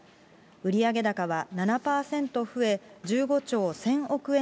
売上高は７％増え、１５兆１０００億円